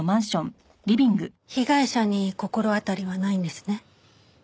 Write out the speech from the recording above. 被害者に心当たりはないんですね？